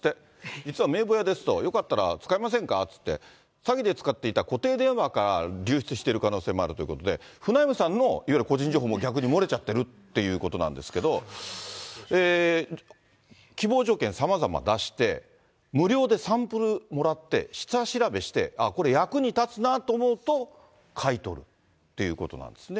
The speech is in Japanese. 実は名簿屋ですと、よかったら使いませんかって言って、詐欺で使っていた固定電話から流出している可能性もあるということで、フナイムさんのいわゆる個人情報も逆に漏れちゃってるということなんですけど、希望条件さまざま出して、無料でサンプルもらって下調べして、ああ、これ役に立つなと思うと、買い取るっていうことなんですって。